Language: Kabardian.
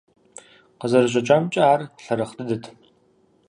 Къызэрыщӏэкӏамкӏэ, ар лъэрыхь дыдэт.